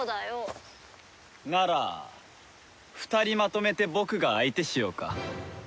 なら２人まとめて僕が相手しようか。